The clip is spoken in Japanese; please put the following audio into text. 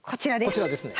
こちらですね。